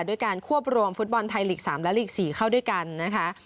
ด้วยการควบรวมฟุตบอลไทยลีก๓และลีก๔เข้าด้วยกันนะคะ